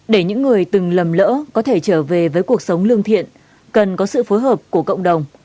để những người từng lầm lỡ có thể trở về với cuộc sống lương thiện cần có sự phối hợp của cộng đồng